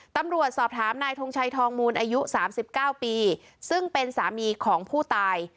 ตำรวจสอบถามนายทงชัยทองมูลอายุ๓๙ปีซึ่งเป็นสามีของผู้ตาย